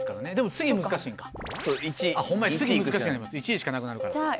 １位しかなくなるから。